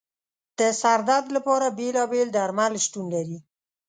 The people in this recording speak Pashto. د سر درد لپاره بېلابېل درمل شتون لري.